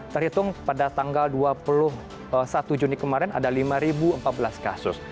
terhitung pada tanggal dua puluh satu juni kemarin ada lima empat belas kasus